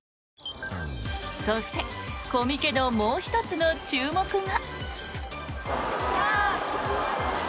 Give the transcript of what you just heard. そしてコミケのもう１つの注目が。